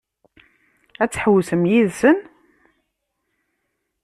Ad tḥewwsem yid-sen?